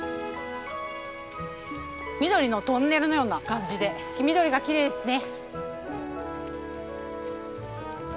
緑のトンネルのような感じで黄緑がきれいですね。